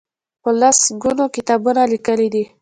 په لس ګونو کتابونه لیکلي دي.